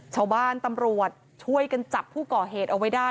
ชาวบ้านตำรวจช่วยกันจับผู้ก่อเหตุเอาไว้ได้